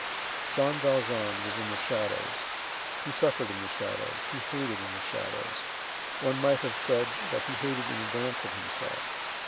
Jean Valjean was in the shadows; he suffered in the shadows; he hated in the shadows; one might have said that he hated in advance of himself.